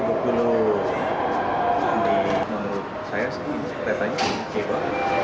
ini bukbulu menurut saya sih keretanya ini keba